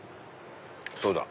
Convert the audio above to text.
そうだ！